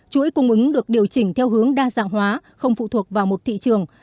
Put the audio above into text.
chuỗi cung ứng được điều chỉnh theo hướng đa dạng hóa không phụ thuộc vào một thị trường